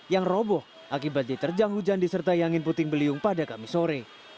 yang roboh akibat diterjang hujan disertai angin puting beliung pada kamis sore